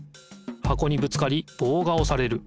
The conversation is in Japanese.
箱にぶつかりぼうがおされる。